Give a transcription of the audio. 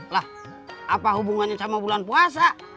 lah apa hubungannya sama bulan puasa